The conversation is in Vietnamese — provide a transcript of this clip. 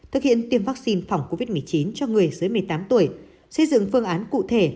thực hiện tiêm vaccine phòng covid một mươi chín cho người dưới một mươi tám tuổi xây dựng phương án cụ thể